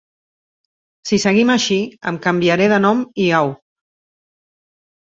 Si seguim així em canviaré de nom i au.